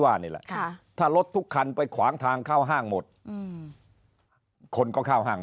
นี่แหละถ้ารถทุกคันไปขวางทางเข้าห้างหมดคนก็เข้าห้าง